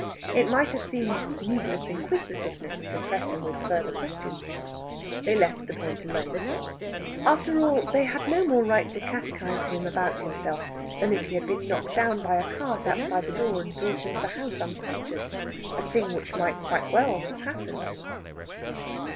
It might have seemed needless inquisitiveness to press him with further questions. They left the point alone. After all, they had no more right to catechize him about himself than if he had been knocked down by a cart outside the door, and brought into the house unconscious a thing which might quite well have happened.